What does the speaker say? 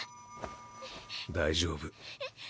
大丈夫。